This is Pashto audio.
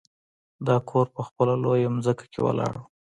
دا کور په خپله لویه ځمکه کې ولاړ و